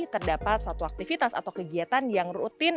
terdapat satu aktivitas atau kegiatan yang rutin